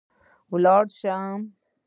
ولاړه شم